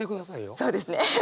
そうですね。